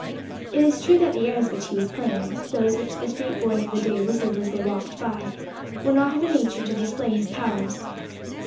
It is true that the airs which he was playing, those which the street boys of the day whistled as they walked by, were not of a nature to display his powers.